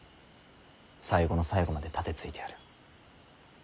最後の最後まで盾ついてやる。